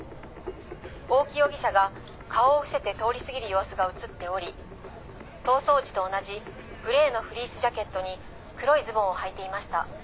大木容疑者が顔を伏せて通り過ぎる様逃走時と同じグレーのフリースジャケットに黒いズボンをはいていました。